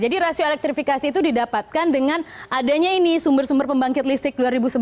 jadi rasio elektrifikasi itu didapatkan dengan adanya ini sumber sumber pembangkit listrik dua ribu sebelas dua ribu enam belas